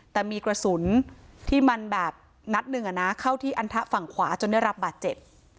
แต่มีกระสุนที่มันแบบนัดหนึ่งเข้าที่อันทะฝั่งขวาจนได้รับบาดเจ็บ